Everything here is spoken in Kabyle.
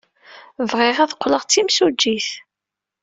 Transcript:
Bɣiɣ ad qqleɣ d timsujjit.